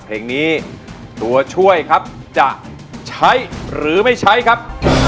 เพลงนี้ตัวช่วยครับจะใช้หรือไม่ใช้ครับ